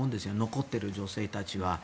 残ってる女性たちは。